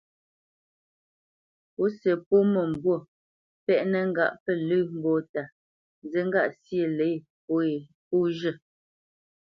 Pǔsi pô mə̂mbû pɛ́ʼnə ŋgâʼ pə lə̂ mbóta, nzí ŋgâʼ syê lě pó zhə́.